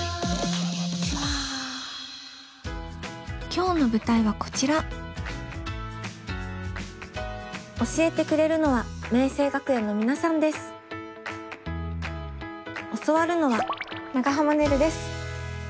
今日の舞台はこちら教えてくれるのは教わるのは長濱ねるです。